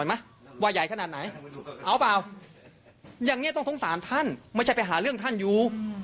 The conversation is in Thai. อย่างนี้ต้องท้องสารท่านไม่ใช่ไปหาเรื่องท่านอยู่